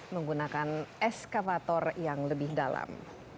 menggunakan eskavator yang lebih dalam